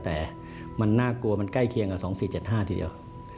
แต่มันน่ากลัวมันใกล้เคียงกับ๒๔๗๕ทีเดียว